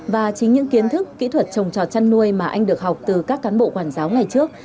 và chính những kiến thức kỹ thuật trồng trò chăn nuôi mà anh được học từ các cán bộ quản giáo ngày trước